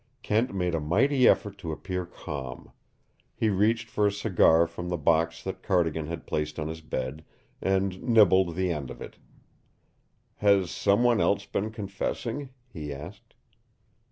Kent made a mighty effort to appear calm. He reached for a cigar from the box that Cardigan had placed on his bed, and nibbled the end of it. "Has some one else been confessing?" he asked.